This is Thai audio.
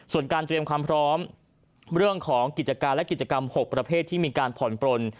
ส่วนการเตรียมความพร้อมเรื่องของกิจการและกิจกรรม๖ประเภทที่มีการผ่อนปลน